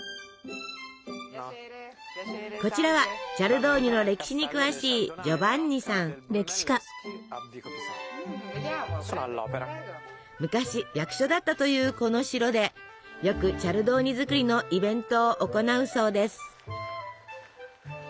こちらはチャルドーニの歴史に詳しい昔役所だったというこの城でよくチャルドーニ作りのイベントを行うそうです。